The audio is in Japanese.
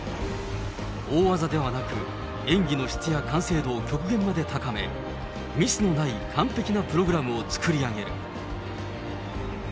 大技ではなく、演技の質や完成度を極限まで高め、ミスのない完璧なプログラムを作り上げる。